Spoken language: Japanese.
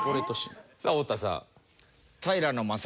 さあ太田さん。